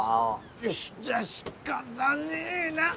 よしじゃあ仕方ねえな。